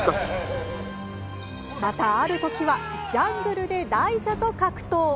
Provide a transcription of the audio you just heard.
またある時はジャングルで大蛇と格闘。